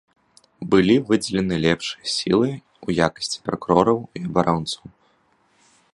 Былі выдзелены лепшыя сілы ў якасці пракурораў і абаронцаў.